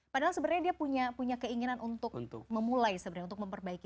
padahal sebenarnya dia punya keinginan untuk memulai sebenarnya untuk memperbaiki